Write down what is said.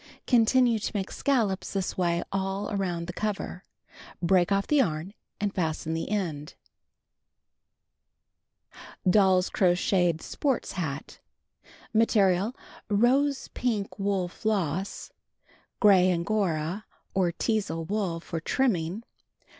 Continue to make scallops this way all around the cover. Break off the yarn, and fasten the end. DOLL'S CROCHETED SPORTS HAT (See picture opposite page 72) Material: Rose pink wool floss, Gray Angora or Teazle wool for trimming.